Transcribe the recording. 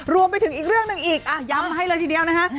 รวมไปถึงอีกเรื่องหนึ่งอีกย้ำให้เลยทีเดียวนะฮะ